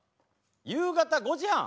夕方５時半？